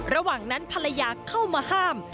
ระหว่างนั้นภรรยาเข้ามาห้าม